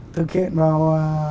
thực hiện vào